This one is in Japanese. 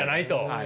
はい。